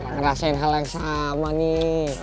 ngerasain hal yang sama nih